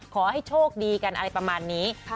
ขอให้โชคดีกันอะไรประมาณนี้